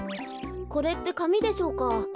これってかみでしょうか？